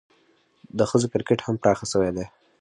د ښځو کرکټ هم پراخه سوی دئ.